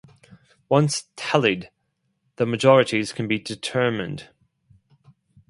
Once tallied the majorities can be determined.